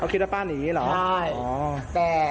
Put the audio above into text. เขาคิดว่าป้านีเหรออ๋อ